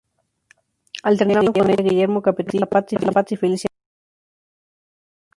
Alternaban con ella Guillermo Capetillo, Laura Zapata y Felicia Mercado.